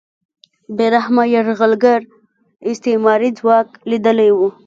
بې رحمه یرغلګر استعماري ځواک لیدلی و